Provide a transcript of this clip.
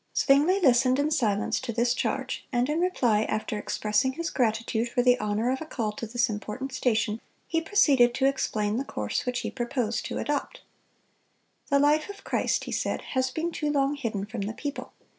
(248) Zwingle listened in silence to this charge, and in reply, after expressing his gratitude for the honor of a call to this important station, he proceeded to explain the course which he proposed, to adopt. "The life of Christ," he said, "has been too long hidden from the people.